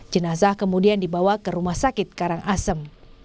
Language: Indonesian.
jenazah kemudian dibawa ke rumah sakit karangasem